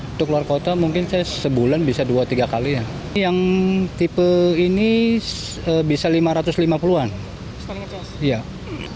untuk luar kota mungkin saya sebulan bisa dua tiga kali yang tipe ini bisa lima ratus lima puluh an